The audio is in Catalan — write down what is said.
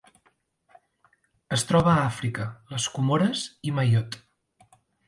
Es troba a Àfrica: les Comores i Mayotte.